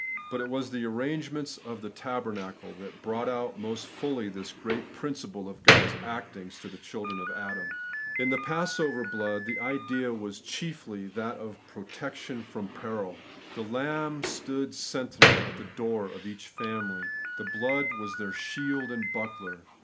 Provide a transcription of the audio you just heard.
But it was the arrangements of the tabernacle that brought out most fuUy this great principle of God's actings to the children of Adam. In the passover blood, the idea was chiefly that of protection from peril The lamb stood sentinel at the door of each family ; the blood was their ' shield and buckler.